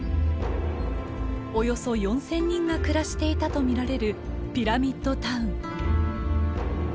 およそ４，０００人が暮らしていたと見られるピラミッド・タウン。